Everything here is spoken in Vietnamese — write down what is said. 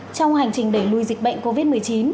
trong hành trình đẩy lùi dịch bệnh covid một mươi chín